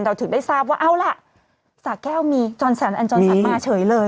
ถึงได้ทราบว่าเอาล่ะสาแก้วมีจรสันอันจรสันมาเฉยเลย